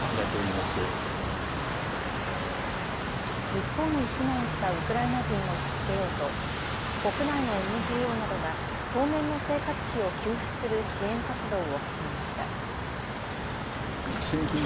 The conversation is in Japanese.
日本に避難したウクライナ人を助けようと国内のＮＧＯなどが当面の生活費を給付する支援活動を始めました。